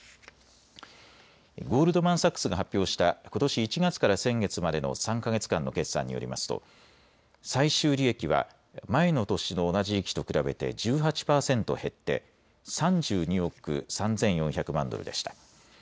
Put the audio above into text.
ゴールドマン・サックスが発表したことし１月から先月までの３か月間の決算によりますと最終利益は前の年の同じ時期と比べて１８％減って３２億３４００万ドルでした。